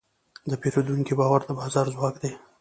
د پیرودونکي باور د بازار ځواک دی.